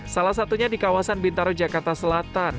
salah satunya di kawasan bintaro jakarta selatan